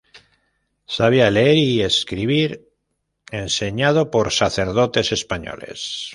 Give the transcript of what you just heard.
Sabia leer i escribir, enseñado por sacerdotes españoles.